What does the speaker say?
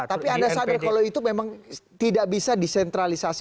tapi anda sadar kalau itu memang tidak bisa disentralisasi